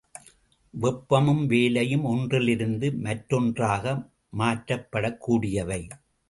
வெப்பமும் வேலையும் ஒன்றிலிருந்து மற்றொன்றாக மாற்றப்படக் கூடியவை.